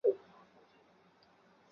拉蒙济蒙塔斯特吕克人口变化图示